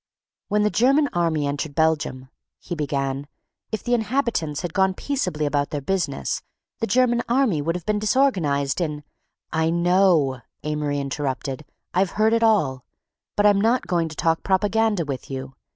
"When the German army entered Belgium," he began, "if the inhabitants had gone peaceably about their business, the German army would have been disorganized in—" "I know," Amory interrupted, "I've heard it all. But I'm not going to talk propaganda with you.